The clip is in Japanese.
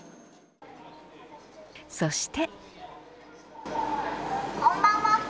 そして。